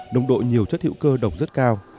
nồng độ nhiều chất hữu cơ độc rất cao